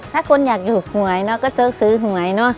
ถ้าคนอยากถูกหวยก็ซื้อหวย